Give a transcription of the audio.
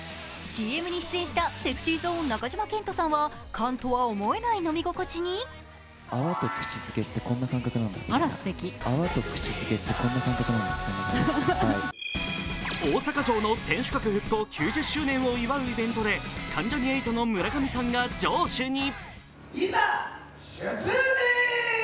ＣＭに出演したＳｅｘｙＺｏｎｅ・中島健人さんは、缶とは思えない飲み心地に大阪城の天守閣復興９０周年を祝うイベントで関ジャニ∞の村上さんが城主に。